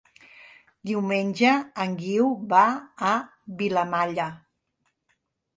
Diumenge en Guiu va a Vilamalla.